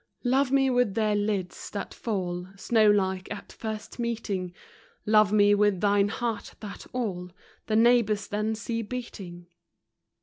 Love me with their lids, that fall Snow like at first meeting; Love me with thine heart, that all The neighbors then see beating.